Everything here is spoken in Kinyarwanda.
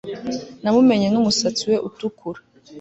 Namumenye numusatsi we utukura